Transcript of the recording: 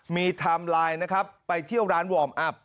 มีไทม์ไลน์นะครับไปเที่ยวร้านวอร์มอัพ